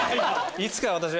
いつか私は。